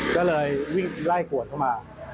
ก็เลยวิ่งไล่กวดเข้ามา